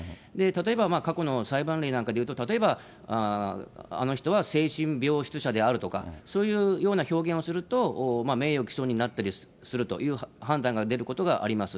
例えば過去の裁判例なんかでいうと、例えば、あの人は精神病質者であるとかそういうような表現をすると、名誉毀損になったりするという判断が出ることがあります。